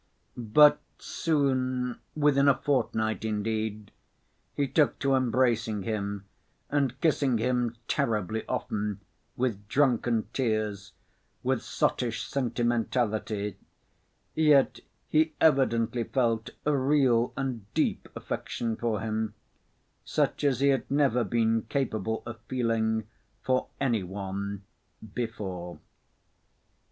But soon, within a fortnight indeed, he took to embracing him and kissing him terribly often, with drunken tears, with sottish sentimentality, yet he evidently felt a real and deep affection for him, such as he had never been capable of feeling for any one before.